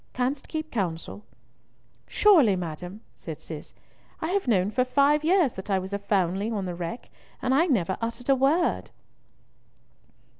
Canst keep counsel?" "Surely, madam," said Cis, "I have known for five years that I was a foundling on the wreck, and I never uttered a word."